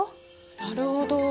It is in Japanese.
なるほど。